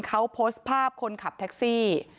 เขาโพสต์ภาพคนขับแท็กซี่